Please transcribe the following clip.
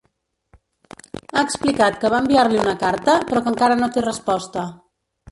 Ha explicat que va enviar-li una carta, però que encara no té resposta.